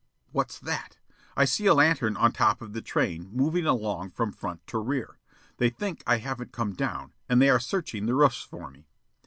What's that? I see a lantern on top of the train, moving along from front to rear. They think I haven't come down, and they are searching the roofs for me.